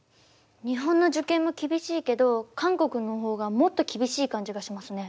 日本の受験も厳しいけど韓国のほうがもっと厳しい感じがしますね。